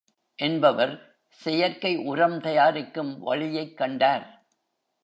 என்பவர் செயற்கை உரம் தயாரிக்கும் வழியைக் கண்டார்.